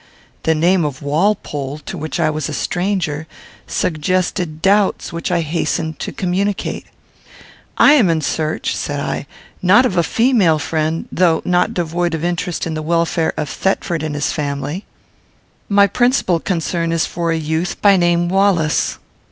The name of Walpole, to which I was a stranger, suggested doubts which I hastened to communicate. "I am in search," said I, "not of a female friend, though not devoid of interest in the welfare of Thetford and his family. My principal concern is for a youth, by name Wallace."